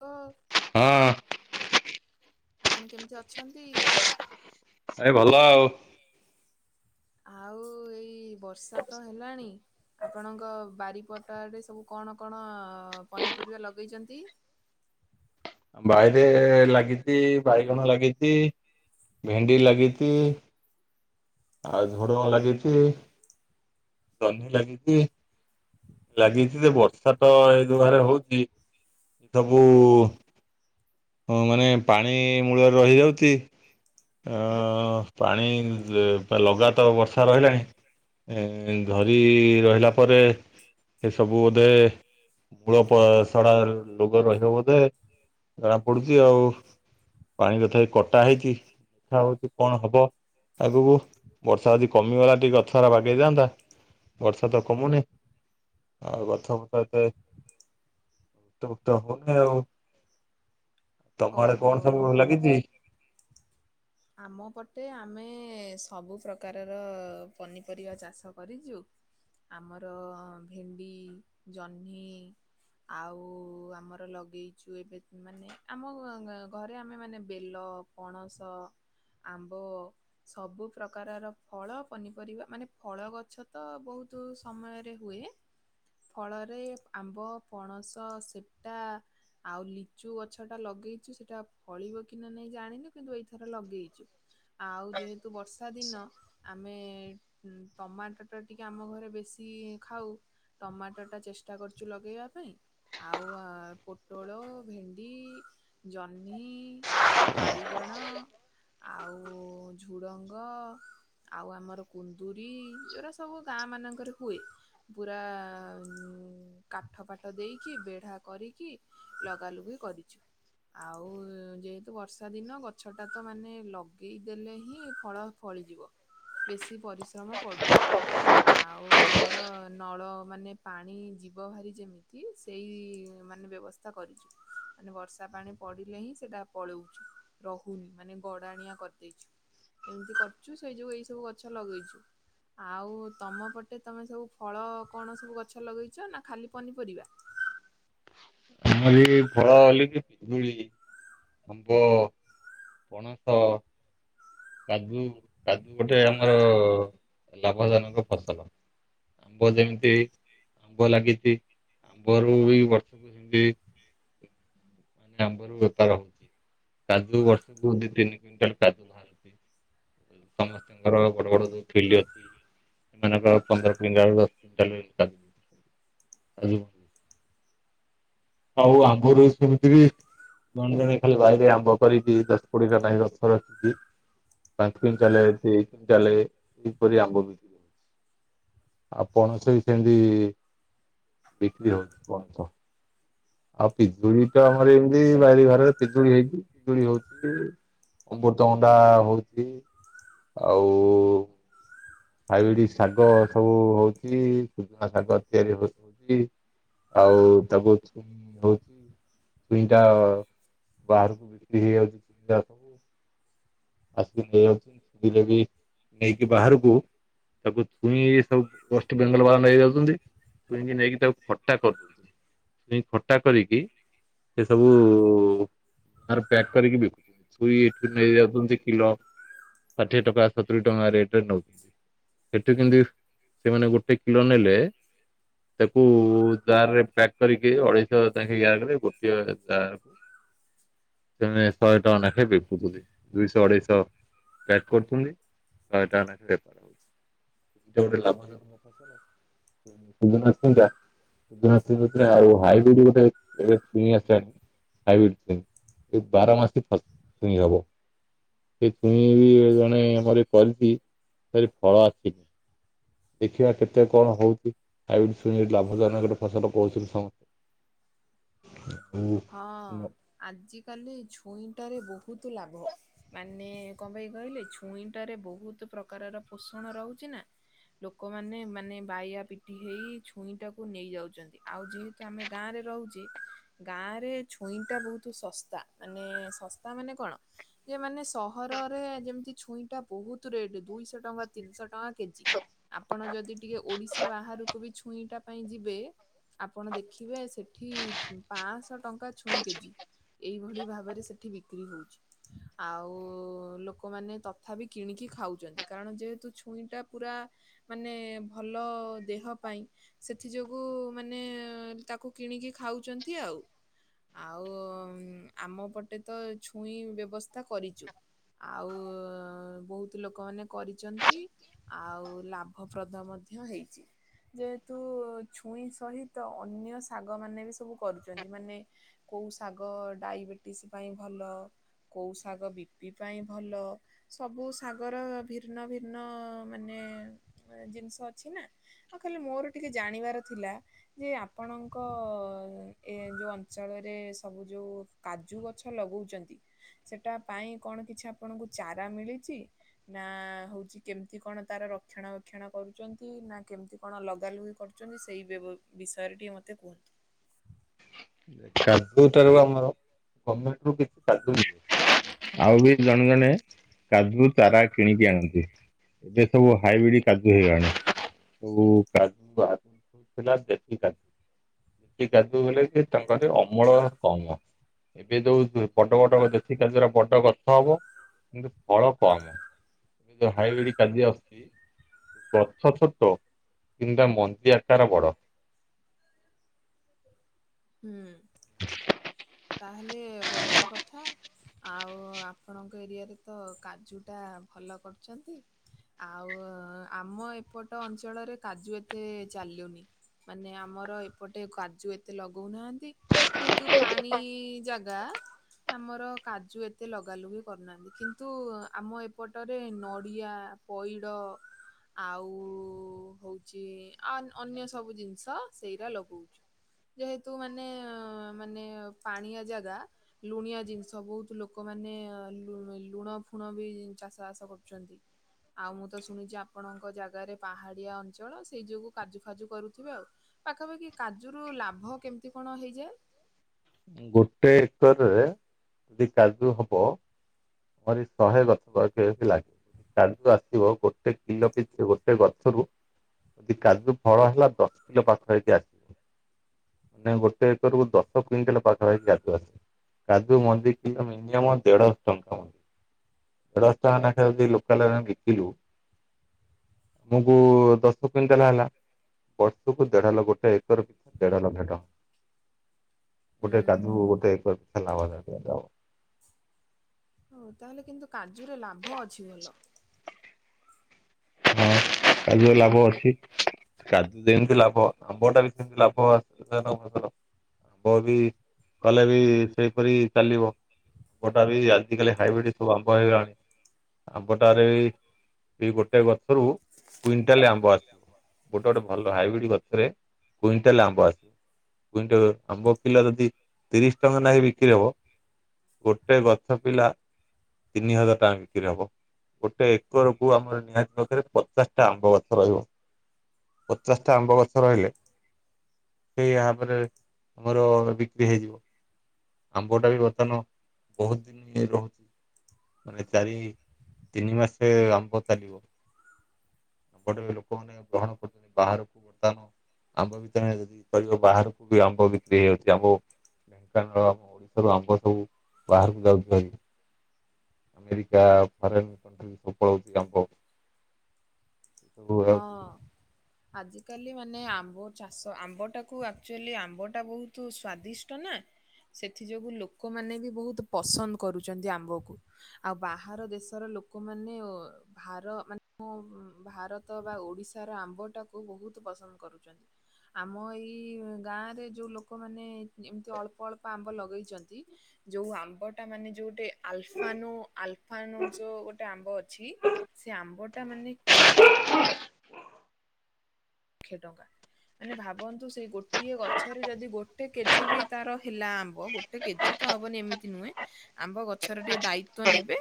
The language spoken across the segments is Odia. ଅଫ୍। ହଁ। ଆପଣ କେମିତି ଅଛନ୍ତି? ଏଇ ଭଲ ଆଉ। ଆଉ ଏଇ ବର୍ଷା ତ ହେଲାଣି ଆପଣଙ୍କ ବାରିପଟ ଆଡେ ସବୁ କଣ କଣ ଅଁ ପନିପରିବା ଲଗେଇଛନ୍ତି? ବାରିରେ ଲାଗିଛି ବାଇଗଣ ଲାଗିଛି ଭେଣ୍ଡି ଲାଗିଛି। ଆଉ ଝୁଡୁଙ୍ଗ ଲାଗିଛି, ଜହ୍ନି ଲାଗିଛି। ଲାଗିଛି ଯେ ବର୍ଷା ତ ଏଇ ଦୁଆରେ ହଉଛି, ସବୁ ହଁ ମାନେ ପାଣି ମୂଳରେ ରହିଯାଉଛି ଅଁ ପାଣି ଯେ ପା ଲଗାତାର ବର୍ଷା ରହିଲାଣି। ଏ ଧରି ରହିଲା ପରେ ଏ ସବୁ ବୋଧେ ମୂଳ ସାରା ଲୋଗ ରହିବ ବୋଧେ। ଜଣା ପଡୁଛି ଆଉ ପାଣି ତଥାପି କଟା ହେଇଛି ଦେଖା ହଉଛି କଣ ହବ ଆଗକୁ, ବର୍ଷା ଯଦି କମିଗଲା ଟିକେ ଗଛ ଗରା ବାଗେଇଯାଆନ୍ତା। ବର୍ଷା ତ କମୁନି ଆଉ ଗଛ ପଛ ଏତେ ତ ତ ହଉନି ଆଉ ତମ ଆଡେ ଓହୋ କଣ ସବୁ ଲାଗିଛି? ଆମ ପଟେ ଆମେ ସବୁ ପ୍ରକାରର ପନିପରିବା ଚାଷ କରିଛୁ। ଆମର ଭେଣ୍ଡି, ଜହ୍ନି ଆଉ ଆମର ଲଗେଇଛୁ ଏବେ, ମାନେ ଆମ ଘ-ଘରେ ଆମେ ମାନେ ବେଲ ପଣସ। ଆମ୍ବ ସବୁ ପ୍ରକାରର ଫଳ ପନିପରିବା, ମାନେ ଫଳ ଗଛ ତ ବହୁତ ନ୍ତୁ ସମୟରେ ହୁଏ ଫଳରେ ଆମ୍ବ, ପଣସ, ସେପଟା ଆଉ ଲିଚୁ ଗଛ ଟା ଲଗେଇଚୁ ସେଟା ଫଳିବ କି ନା ନାଇଁ ଜାଣିନୁ କିନ୍ତୁ ଏଇଥର ଲଗ ଗେଇଛୁ ଆଉ ଯେହେତୁ ବର୍ଷା ଦିନ ଆମେ ଟମାଟୋ ଟା ଟିକେ ଆମ ଘରେ ବେଶୀ ଖାଉ। ଟମାଟୋ ଟା ଚେଷ୍ଟା କରୁଛୁ ଲଗେଇବା ପାଇଁ। ଆଉ ଆ ପୋଟଳ, ଭେଣ୍ଡି ଜହ୍ନି ଆଉ ବାଇଗଣ ଆଉ ଝୁଡ଼ଙ୍ଗ ଆଉ ଆମର କୁନ୍ଦୁରି ଏରାଗ ସବୁ ଗାଁ ମାନଙ୍କରେ ହୁଏ ପୁରା ଉ କାଠ ପାଠ ଦେଇକି ବେଢା କରିକି ଲଗାଲୁଗି କରିଛୁ, ଆଉ ଯେହେତୁ ବର୍ଷା ଦିନ ଗଛ ଟା ତ ମାନେ ଲଗେଇଦେଲେ ହିଁ ଫଳ ଫଳିଯିବ ବେଶୀ ପରିଶ୍ରମ ପଡୁନି। ଆଉ ଆମର ନଳ ମାନେ ପାଣି ଯିବ ଭାରି ଯେମିତି ସେଇ ମାନେ ବ୍ୟବସ୍ଥା କରିଛୁ। ମାନେ ବର୍ଷା ପାଣି ପଡିଲେ ହିଁ ସେଟା ପଳଉଛି ରହୁନି ମାନେ ଗଡାଣିଆ କରିଦେଇଛୁ, ଏମିତି କରିଛୁ ସେଇ ଯୋଗୁ ଏଇ ସବୁ ଗଛ ଲଗେଇଛୁ। ଆଉ ତମ ପଟେ ତମେ ସବୁ ଫଳ କଣ ସବୁ ଗଛ ଲଗେଇଛ ନା ଖାଲି ପନିପରିବା? ଆମରି ବି ଫଳ ହେଲେ ବି ପିଜୁଳି। ଆମ୍ୱ। ପଣସ। କାଜୁ। କାଜୁ ଗୋଟେ ଆମର ଲାଭଜନକ ଫସଲ। ଆମ୍ବ ଯେମିତି ଆମ୍ବ ଲାଗିଛି ଆମ୍ବରୁ ବି ବର୍ଷକୁ ସେମିତି। ଆମ୍ବର ବେପାର କାଜୁ ବର୍ଷକୁ ଦି ତିନି କୁଇଣ୍ଟାଲ କାଜୁ ବାହାରୁଚି। ସମସ୍ତଙ୍କର ବଡ ବଡ ଯୋଉ ଫିଲ୍ଡ ଅଛି। ତାଙ୍କର ପନ୍ଦର କ୍ୱଇଣ୍ଟାଲ ଦଶ କଣ୍ଟାଲା [unintelligible] ଆଉ ଆଗରୁ ସେମିତି ବି ଜଣେ ଜଣେ ଖାଲିବାରରେ ଆମ୍ବ କରିକିଦଶ କୋଡି ଏଟା ଲାଖେଗଛ ରଖିଛି ପାଞ୍ଚ କୁଇଣ୍ଟାଲ ଦି କଇଣ୍ଟାଲ ଏପରି ଆମ୍ବ ବିକ୍ରି। ହଉଛି। ଆଉ ପଣସ ବି ସେମିତି ବିକ୍ରି ହଉଛି ପଣସ। ଆଉ ପିଜୁଳି ଟା ଆମର ଏମିତି ବାରି ଘରେ ପିଜୁଳି ହେଇଛି ପିଜୁଳି ହଉଛି। ଅମୃତଭଣ୍ଡା ହଉଛି ଆଉ ହାଇବ୍ରିଡ ଶାଗ ସବୁ ହଉଛି ସୁଜୁନା ଶାଗ ତିଆରି ହଉଛି। ଆଉ ତାକୁ ବହୁତ୍ ଛୁଇଁ ଟା ବାହାରକୁ ବିକ୍ରି ହେଇଯାଉଛି ଛୁଇଁଟା ସବୁ ଆସିକି ନେଇଯାଉଛନ୍ତି ଦି କିଲୋ ନେଇକି ବାହାରକୁ। ତାକୁ ଛୁଇଁ ଏ ସବୁ ୱେଷ୍ଟ ବେଙ୍ଗଲ ବାଲା ନେଇ ହେଇଯାଉଛନ୍ତି। ଛଇଁକି ନେଇକି ତାକୁ ଖଟା କରଛି ଖଟା କରିକି ଏ ସବୁ ପ୍ୟାକ୍ କରିକି ବିକୁଛୁଇଁଏଠି ନେଇ ଯାଉଛନ୍ତି। କିଲୋ ଷାଠିଏ ଟଙ୍କା ସତୁରି ଟଙ୍କା ରେଟରେ ନଉ ଏଠୁ କିନ୍ତି ସେମାନେ ଗୋଟେ କିଲୋ ନେଲେ ତାକୁ ଜାରରେ ପ୍ୟାକ୍ କରିକି ଅଢେଇଶ ଲାଖେ ଜାରରେ ଗୋଟିଏ ଢମେ ଶହେ ଟାଙ୍କ ଲାଖେ ବିକୁଥିଲି। ଅଢେଇଶ ପ୍ୟାକ କରୁଛନ୍ତି ଶହେ ଟଙ୍ଗା ନାଖେ [unintelligible] ଯେଉଁଠି ଲାଭ ଜନକ ଫସଲ ସୁଜୁନା ଛୁଇଁଟା। ହିମାସ୍ତ୍ରୀ କହୁଥିଲେ ହାଇ ହାଇବିଡ଼ି ଗୋଟେ। ଏବେ ଛୁଇଁ ଆସିଲାଣି ହାଇବିଡି ଛୁଇଁବାର ମାସ ଛୁଇ ହବ। ସେ ଛୁଇଁ ବି ଜଣେ ଆମରେ କରିଚି ତାରେ ଫଳ ଆସିନି। ଦେଖିବା କେତେ କଣ ହଉଛି ଆଉ ଛୁଇଁ ଲାଭଜନକ ଫସଲ କହୁଥିଲେ ସମ ହଁ ଆଜିକାଲି ଛୁଇଁଟାରେ ବହୁତ ଲାଭ। ମାନେ କଣ ପାଇଁ କହିଲେ ଛୁଇଁଟାରେ ବହୁତ ପ୍ରକାରର ପୋଷଣ ରହୁଛି ନା। ଲୋକମାନେ ମାନେ ବାଇଆ ପିଟି ହେଇ ଛୁଇଁ ଟାକୁ ନେଇ ଯାଉଛନ୍ତି ଆଉ ଯେହେ ତ ଆମେ ଗାଁରେ ରହୁଚେ। ଗାଁ ରେ ଛୁଇଁ ଟା ବହୁତୁ ଶସ୍ତା ମାନେ ଶସ୍ତା ମାନେ କଣ? ଇଏ ମାନେ ସହରରେ ଯେମିତି ଛୁଇଁ ଟା ବହୁତ ରେଟ ଦୁଇଶ ଟଙ୍କା ତିନିଶ ଟଙ୍କା କେ ଜି ଆପଣ ଯଦି ଟିକେ ଓଡିଶା ବାହାରକୁ ବି ଛୁଇଁଟା ପାଇଁ ଯିବେ ଆପଣ ଦେଖିବେ ସେଠି ଉଁ ପାଂଶ ଟଙ୍କା ଛୁଇଁ କେଜି। ଏଇଭଳି ଭାବରେ ସେଠି ବିକ୍ରି ହଉଛି। ଆଉ ଲୋକମାନେ ତଥାପି କିଣିକି ଖାଉଛନ୍ତି କାରଣ ଯେହେତୁ ଛୁଇଁ ଟା ପୁରା ମାନେ ଭଲ ଦେହ ପାଇଁ। ସେଥି ଯୋଗୁ ମାନେ ତାକୁ କିଣିକି ଖାଉଛନ୍ତି ଆଉ। ଆଉ ଉଁ ଆମ ପଟେ ତ ଛୁଇଁ ବ୍ୟବସ୍ଥା କରିଛୁ। ଆଉ ବହୁତ ଲୋକମାନେ କରିଛନ୍ତି। ଆଉ ଲାଭପ୍ରଦ ମଧ୍ୟ ହେଇଛି। ଯେହେତୁ ଛୁଇଁ ସହିତ ଅନ୍ୟ ଶାଗ ମାନେ ବି ସବୁ କରୁଛନ୍ତି ମାନେ। କୋଉ ଶାଗ ଡାଇବେଟିସି ପାଇଁ ଭଲ? କୋଉ ଶାଗ ବି ପି ପାଇଁ ଭଲ? ସବୁ ଶାଗର ଭିର୍ନ୍ନ ଭିନ୍ନ ମାନେ ଏ ଜିନିଷ ଅଛି ନା। ଆଉ ଖାଲି ମୋର ଟିକେ ଜାଣିବାର ଥିଲା ଯେ ଆପଣଙ୍କ ଏ ଯଉ ଅଞ୍ଚଳରେ ସବୁ ଯଉ କାଜୁ ଗଛ ଲଗଉଛନ୍ତି। ସେଟା ପାଇଁ କଣ କିଛି ଆପଣଙ୍କୁ ଚାରା ମିଳିଛି? ନା ହଉଛି କେମିତି କଣ ତାର ରକ୍ଷଣ ବକ୍ଷଣ କରୁଛନ୍ତି ନା କେମିତି ଆପଣ ଲଗାଲୁଗି କରୁଛନ୍ତି ସେଇ ବେ ବ ବିଷୟରେ ଟିକେ ମୋତେ କୁହନ୍ତୁ। କାଜୁ ଠାରୁ ଆମର ଗମେଣ୍ଟ ରୁ କିଛି ସାହାଯ୍ୟ ମିଳୁନି। ଆଉ ବି ଜଣେ ଜଣେ କାଜୁ ଚାରା କିଣିକି ଆଣନ୍ତି। ଏବେ ସବୁ ହାଇବ୍ରିଡ କାଜୁ ହେଇଗଲାଣି ସବୁ କାଜୁ ଆରୂ ଥିଲା ଦେଶି କାଜୁ ଦେଶି କାଜୁ ହେଲେ ଯେ ତାଙ୍କର ଅମଳ କମ। ଏବେ ଯୋଉ ବଡ ବଡ ଦେଶି କାଜୁର ବଡ ଗଛ ହବ କିନ୍ତୁ ଫଳ କମ। ଏବେ ଯୋଉ ହାଇବ୍ରିଡ କାଜୁ ଆସୁଚି। ଗଛ ଛୋଟ କିନ୍ତୁ ତା ମଞ୍ଜି ଆକାର ବଡ। ହୁଁ। ତାହେଲେ ବଢ଼ିଆ କଥା। ଆଉ ଆପଣଙ୍କ ଏରିଆରେ ତ କାଜୁଟା ଭଲ କରୁଚନ୍ତି। ଆଉ ଆମ ଏପଟ ଅଞ୍ଚଳରେ କାଜୁ ଏତେ ଚାଲୁନି। ମାନେ ଆମର ଏପଟେ କାଜୁ ଏତେ ଲଗଉନାହାନ୍ତି ଯେହେତୁ ପା ଭି ଜାଗା। ଆମର କାଜୁ ଏତେ ଲଗାଲୁଗି କରୁନାହାନ୍ତି କିନ୍ତୁ ଆମ ଏପଟରେ ନଡ଼ିଆ। ପଇଡ଼। ଆଉ ହଉଛି ଆ ଅନ୍ୟ ସବୁ ଜିନିଷ ସେଇରା ଲଗଉଛୁ। ଯେହେତୁ ମାନେ ମାନେ ପାଣିଆ ଜାଗା। ଲୁଣିଆ ଜିନିଷ ବହୁତୁ ଲୋକମାନେ ଆ ଲୁ-ଲୁଣ ଫୁଣ ବି ଚାଷ ବାସ କରୁଛନ୍ତି। ଆଉ ମୁଁ ତ ଶୁଣିଛି ଆପଣଙ୍କ ଜାଗାରେ ପାହାଡିଆ ଅଞ୍ଚଳ ସେଇ ଯୋଗୁ କାଜୁ ଫାଜୁ କରୁଥିବେ ଆଉ। ପାଖାପାଖି କାଜୁ ରୁ ଲାଭ କେମିତି କଣ ହେଇଯାଏ? ଗୋଟେ ଏକରରେ ଯଦି କାଜୁ ହବ ଆହୁରି ଶହେ ଗଛ ସେଇଥିଲାଗି। କାଲି ତ ଆସିବ ଗୋଟେ କିଲୋ କେଜି ଗୋଟେ ଗଛକୁ ଯଦି କାଜୁ ଫଳ ହେଲା ଦଶ କିଲୋ ପାଖ ହେକି ଆସିବ। ମାନେ ଗୋଟେ ଏକର କୁ ଦଶ କୁଇଣ୍ଟାଲ ପାଖାପାଖି କାଜୁ ଆସେ। କାଜୁ ମଞ୍ଜି କିଲ ମିନିୟମ ଦେଢ଼ଶହ ଟଙ୍କ୍ [unintelligible] ଯଦି ଲୋକାଲରେ ଆମେ ବିକିଲୁ ମୁକୁ ଦଶ କୁଇଣ୍ଟାଲ ହେଲା। ବର୍ଷକୁ ଦେଢଲ- ଗୋଟେ ଏକର କୁ ଦେଢ ଲକ୍ଷ ଟଙ୍କା। ହୁଁ ଗୋଟେ କାଜୁ ହୁଁ। ଗୋଟେ ଏକର [unintelligible] ହଉ ତାହେଲେ କିନ୍ତୁ କାଜୁରେ ଲାଭ ଅଛି ଭଲ। ହଁ କାଜୁରେ ଲାଭ ଅଛି। କାଜୁ ଯେମିତି ଲାଭ ଆମ୍ବଟା ବି ସେମତି ଲାଭ [unintelligible] ବୋ ବି କଲେ ବି ସେଇପରି ଚାଲିବ। ଆମ୍ବଟା ବି ଆଜିକାଲି ହାଇବ୍ରିଡ୍ ସବୁ ଆମ୍ବ ହେଇଗଲାଣି। ଆମ୍ବଟାରେ ବି ଗୋଟେସେ ଗଛରୁ କୁଇଣ୍ଟାଲ ଆମ୍ବ ଆସ ଗୋଟେ ଗୋଟେ ଭଲ ହାଇବ୍ରିଡ୍ ଗଛରେ କୁଇଣ୍ଟାଲ ଆମ୍ବ ଆସ୍ କୁଇଣ୍ଟାଲ ଆମ୍ବ କିଲୋ ଯଦି ତିରିଶ ଟଙ୍କା ନେଖା ବିକ୍ରି ହବ ଗୋଟେ ଗଛ ପିଲା ତିନି ହଜାର ଟଙ୍କା ବିକ୍ରି ହବ ଗୋଟେ ଏକରକୁ ଆମର ନିହାତି ସବୁଥିରେ ପଚାଶଟା ଆମ୍ବ ଗଛ ରହିବ। ପଚାଶଟା ଆମ୍ବ ଗଛ ରହିଲେ ସେଇ ଭାବରେ ଆମର ବିକ୍ରି ହେଇଯିବ। ଆମ୍ବଟା ବି ବର୍ତ୍ତମାନ ବହୁତ ଦିନ ଏ ରହୁଚି। ମାନେ ଚାରି ତିନି ମାସେ ଆମ୍ବ ଚାଲିବ। ଏପଟେ ଲୋକମାନେ ବାରଣ କରୁଚନ୍ତି ବାହାରକୁ ବର୍ତ୍ତମାନ ଆମ୍ବ ଭିତରେ ଯଦି କହିବ ବାହାରକୁ ବି ଆମ୍ବ ବିକ୍ରି ହେଇଯାଉଚି ଆମ୍ବ ଢେଙ୍କାନାଳ ଆମ ଓଡିଶାରୁ ଆମ୍ବ ସବୁ ବାହାରକୁ ଯାଉଚି ଆଜି ଆମେରିକା, ଫରେନ୍ କଣଟ୍ରି କୁ ସବୁ ପଳଉଚି ଆମ୍ବ ସବୁ ହଁ। ଯାଉଛି ଆଜିକାଲି ମାନେ ଆମ୍ବ ଚାଷ ଆମ୍ବଟାକୁ ଆକ୍ଚୁଏଲି ଆମ୍ବଟା ବହୁତ ସ୍ଵାଦିଷ୍ଟ ନା। ସେଥି ଯୋଗୁ ଲୋକମାନେ ବି ବହୁତ ପସନ୍ଦ କରୁଚନ୍ତି ଆମ୍ବକୁ। ଆଉ ବାହାର ଦେଶର ଲୋକମାନେ ଅ ଭାର ମାନେ ଅ ଭାରତ ରତ ବା ଓଡ଼ିଶାର ଆମ୍ବଟାକୁ ବହୁତ ପସନ୍ଦ କରୁଚନ୍ତି। ଆମ ଏଇ ଗାଁରେ ଯେଉଁ ଲୋକମାନେ ଏମିତି ଅଳ୍ପ ଅଳ୍ପ ଆମ୍ବ ଲଗେଇଚନ୍ତି ଯୋଉ ଆମ୍ବଟା ମାନେ ଯୋଉ ଗଟେ ଆଲଫାନୋ ଆଲଫାନୋ ଯୋଉ ଗୋଟେ ଆମ୍ବ ଅଛି ସେ ଆମ୍ବ ଟା ମାନେ ଉଁ କେ କ୍ଷେ ଟଙ୍କା। ମାନେ ଭାବନ୍ତୁ ସେଇ ଗୋଟିଏ ଗଛରେ ଯଦି ଗୋଟେ କେଜି ବି ତାର ହେଲା ଆମ୍ୱ। ଗୋଟେ କେଜି ତ ହବନି ଏମିତି ନୁହେଁ ଆମ୍ବ ଗଛର ଟିକେ ଦାୟିତ୍ଵ ନେବେ।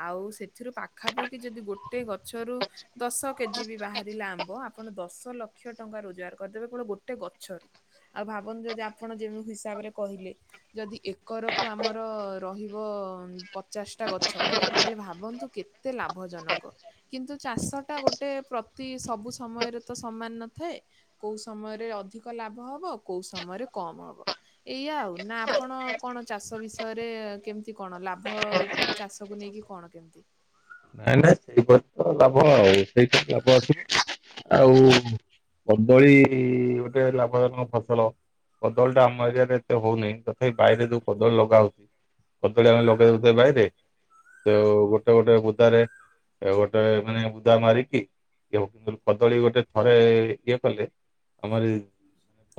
ଆଉ ସେଥିରୁ ପାଖାପାଖି ଯଦି ଗୋଟେ ଗଛରୁ ଦଶ କେଜି ବି ବାହାରିଲା ଆମ୍ବ ଆପଣ ଦଶ ଦଶ ଲକ୍ଷ ଟଙ୍କା ରୋଜଗାର କରିଦେବେ କଣ ଗୋଟେ ଗଛରୁ। ଆଉ ଭାବନ୍ତୁ ଯଦି ଆପଣ ଯେମିତି ହିସାବରେ କହିଲେ ଯଦି ଏକରକୁୁ ଆମର ରହିବ ପଚାଶ ଟା ଗଛ ତାହେଲେ ଭାବନ୍ତୁ କେତେ ଲାଭ ଜନକ। କିନ୍ତୁ ଚାଷଟା ଗୋଟେ ପ୍ରତି ସବୁ ସମୟରେ ତ ସମାନ ନଥାଏ। କୋଉ ସମୟରେ ଅଧିକ ଲାଭ ହବ କୋଉ ସମୟରେ କମ ହବ। ଏଇଆ ଆଉ ନା ଆପଣ କଣ ଚାଷ ବିଷୟରେ କେମିତି କଣ ଲାଭ ଆଉ ପରେ ଚାଷକୁ ନେଇକି କଣ କେମିତି? ନାଇଁ ନାଇଁ ସେଇ ବର୍ଷ ତ ଲାଭ ଆଉ ସେଇଠି ଲାଭ ଅଛି। ଆଉ କଦଳୀ ଗୋଟେ ଲାଭଜନକ ଫସଲ। କଦଳୀଟା ଆମ ଏରିଆରେ ଏତେ ହଉନି। ତଥାପି ବାଇରେ ଯୋଉ କଦଳୀ ଲଗା ହଉଚି କଦଳୀ ଆମେ ଲଗେଇ ଦଉ ବାଇରେ ତ ଗୋଟେ ଗୋଟେ ବୁଦାରେ ଗୋଟେ ମାନେ ବୁଦା ମାରିକି, ଇଏ କିନ୍ତୁ କଦଳୀ ଗୋଟେ ଥରେ ଇଏ କଲେ ଆମର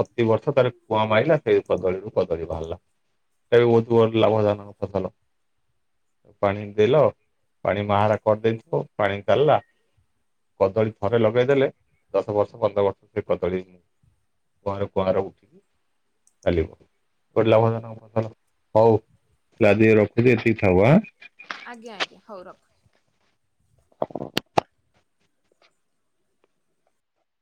ପ୍ରତି ବର୍ଷ ତାର କୁଆଁ ମାଇଲା ସେଇ କଦଳୀରୁୁ। କଦଳୀ ବାହାରିଲା ସେଟା ବି ବୋହୁତ୍ ଲାଭଜାନ ଫସଲ। ପାଣି ଦେଲ ପାଣି ମାହାରା କରିଦେଇଥିବ, ପାଣି ଚାଲିଲା କଦଳୀ ଥରେ ଲଗେଇଦେଲେ, ଦଶ ବର୍ଷ ପନ୍ଦର ବର୍ଷ ସେ କଦଳୀ କୁଆର କୁଆଁର ଉଠିକି ଚାଲିବ। ପରି ଲାଭ ଜନକ ଫସଲ। ହୋଉ ଆଜି ରଖୁଚି ଏତିକି ଥାଉ ଆ। ଆଜ୍ଞା ଆଜ୍ଞା, ହଉ ରଖ।